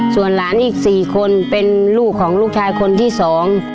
ส่วนหลานอีกสี่คนเป็นลูกของลูกชายคนที่สอง